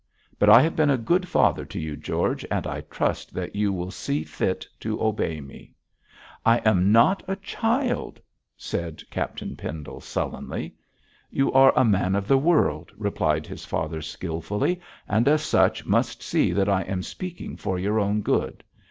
But I have been a good father to you, George, and I trust that you will see fit to obey me.' 'I am not a child,' said Captain Pendle, sullenly. 'You are a man of the world,' replied his father, skilfully, 'and as such must see that I am speaking for your own good.